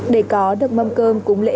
để có được mâm cơm cúng lễ